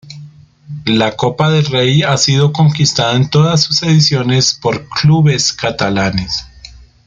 La Copa del Rey ha sido conquistada en todas sus ediciones por clubes catalanes.